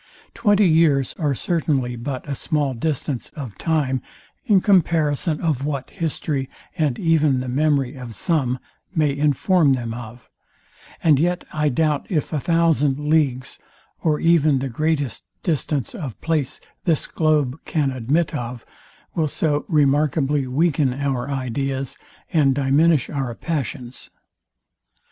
Twenty years are certainly but a small distance of time in comparison of what history and even the memory of some may inform them of, and yet I doubt if a thousand leagues, or even the greatest distance of place this globe can admit of, will so remarkably weaken our ideas, and diminish our passions.